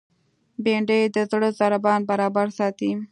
بېنډۍ د زړه ضربان برابر ساتي